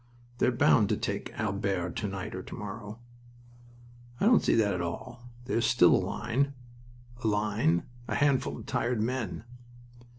"They're bound to take Albert to night or to morrow." "I don't see that at all. There's still a line..." "A line! A handful of tired men."